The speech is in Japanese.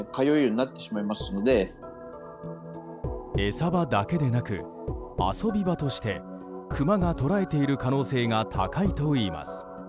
餌場だけでなく、遊び場としてクマが捉えている可能性が高いといいます。